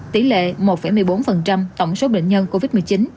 tỷ lệ một một mươi bốn tổng số bệnh nhân covid một mươi chín